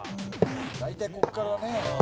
大体ここからね。